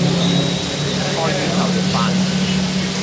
菜遠牛肉飯